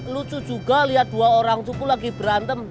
lucu juga liat dua orang cukup lagi berantem